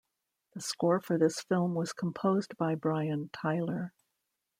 The score for this film was composed by Brian Tyler.